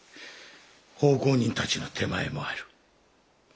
奉公人たちの手前もある。